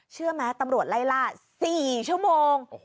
เชื่อไหมตำรวจไล่ล่า๔ชั่วโมง